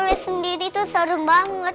mie sendiri tuh serem banget